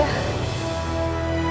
bapak ini aku beli